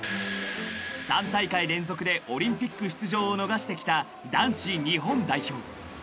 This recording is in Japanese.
［３大会連続でオリンピック出場を逃してきた男子日本代表］